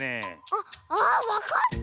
あっああっわかった！